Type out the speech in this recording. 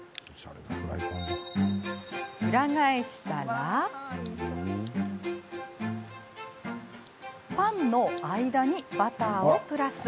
裏返したらパンの間にバターをプラス。